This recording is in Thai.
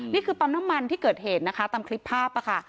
นี่คือปั๊มน้ำมันที่เกิดเหตุนะคะตามคลิปภาพค่ะ